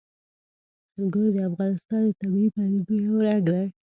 انګور د افغانستان د طبیعي پدیدو یو رنګ دی.